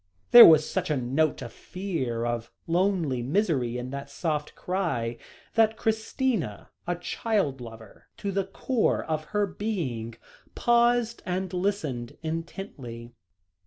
There was such a note of fear, of lonely misery, in that soft cry, that Christina, a child lover to the core of her being, paused, and listened intently.